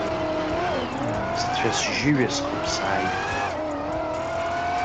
Сцәа-сжьы ҩасхыԥсааит.